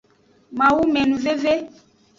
Mawumenuveve.